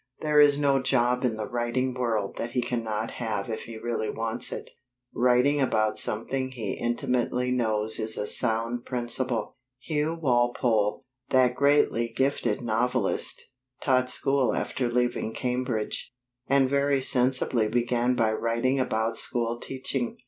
There is no job in the writing world that he cannot have if he really wants it. Writing about something he intimately knows is a sound principle. Hugh Walpole, that greatly gifted novelist, taught school after leaving Cambridge, and very sensibly began by writing about school teaching.